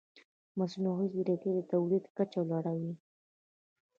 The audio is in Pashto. مصنوعي ځیرکتیا د تولید کچه لوړه وي.